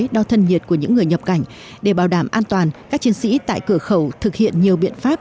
đo thân nhiệt của những người nhập cảnh để bảo đảm an toàn các chiến sĩ tại cửa khẩu thực hiện nhiều biện pháp